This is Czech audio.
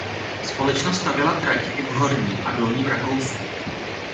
Společnost stavěla tratě i v Horním a Dolním Rakousku.